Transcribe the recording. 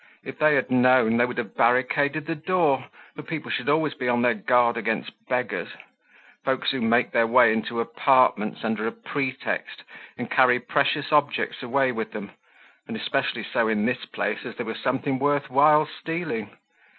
If they had known, they would have barricaded the door, for people should always be on their guard against beggars—folks who make their way into apartments under a pretext and carry precious objects away with them; and especially so in this place, as there was something worth while stealing.